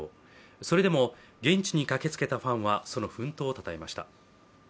それでも現地に駆けつけたファンはその奮闘をたたえました。